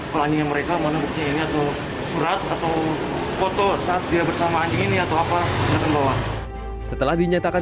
kalau anjingnya mereka mau bawa buktinya ini atau surat atau foto saat dia bersama anjing ini atau apa bisa dibawa